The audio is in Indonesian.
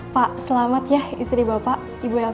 pak selamat ya istri bapak ibu yang